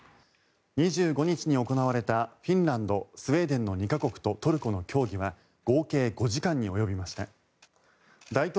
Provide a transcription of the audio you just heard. ２５日に行われたフィンランド、スウェーデンとトルコとの協議はおよそ２時間に及びました。